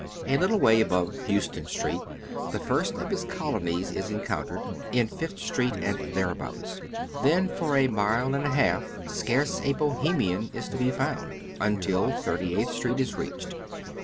A little way above Houston Street the first of his colonies is encountered, in Fifth Street and thereabouts. Then for a mile and a half scarce a Bohemian is to be found, until Thirty eighth Street is reached.